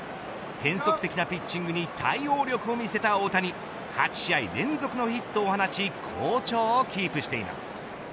変則的なピッチングに対応力を見せた大谷８試合連続のヒットを放ち好調をキープしています。